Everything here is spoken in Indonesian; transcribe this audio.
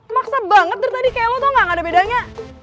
maksa banget dari tadi kayak lo tau gak ada bedanya